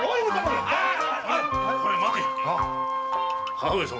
母上様。